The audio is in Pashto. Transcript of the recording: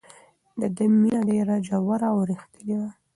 د ده مینه ډېره ژوره او رښتینې وه.